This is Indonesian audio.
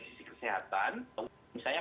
sisi kesehatan misalnya